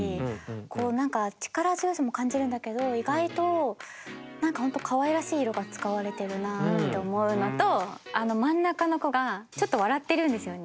こう何か力強さも感じるんだけど意外と何かほんとかわいらしい色が使われてるなって思うのとあの真ん中の子がちょっと笑ってるんですよね。